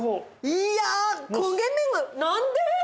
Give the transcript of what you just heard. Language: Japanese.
いやあ焦げ目がなんで？